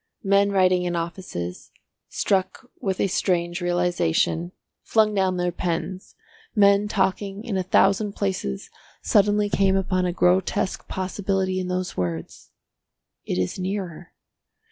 Men writing in offices, struck with a strange realisation, flung down their pens, men talking in a thousand places suddenly came upon a grotesque possibility in those words, "It is nearer."